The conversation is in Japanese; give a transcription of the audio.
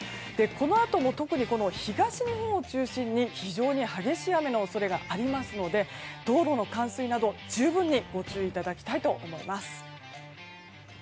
このあとも特に東日本を中心に非常に激しい雨の恐れがありますので道路の冠水など十分にご注意いただきたいと思います。